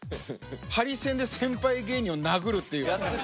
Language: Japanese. ハリセンで先輩芸人を殴るっていう。